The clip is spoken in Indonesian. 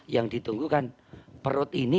yang ditunggu kan perut ini